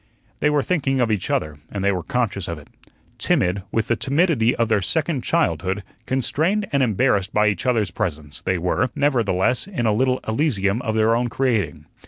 They were thinking of each other and they were conscious of it. Timid, with the timidity of their second childhood, constrained and embarrassed by each other's presence, they were, nevertheless, in a little Elysium of their own creating.